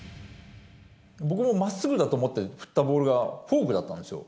僕もまっすぐだと思って振ったボールが、フォークだったんですよ。